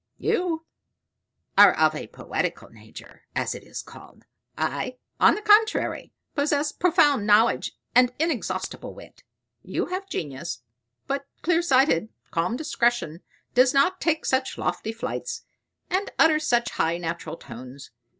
You are of a poetical nature, as it is called I, on the contrary, possess profound knowledge and inexhaustible wit. You have genius; but clear sighted, calm discretion does not take such lofty flights, and utter such high natural tones.